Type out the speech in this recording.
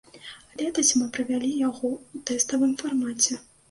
Летась мы правялі яго ў тэставым фармаце.